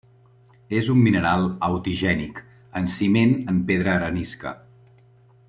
És un mineral autigènic en ciment en pedra arenisca.